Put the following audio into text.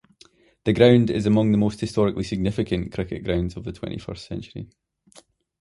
The ground is among the most historically significant cricket grounds of the twenty-first century.